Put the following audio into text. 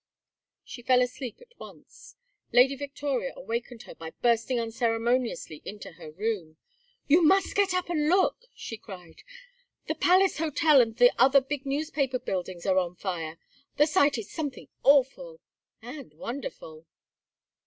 She fell asleep at once. Lady Victoria awakened her by bursting unceremoniously into her room. "You must get up and look!" she cried. "The Palace Hotel and the other big newspaper buildings are on fire. The sight is something awful and wonderful."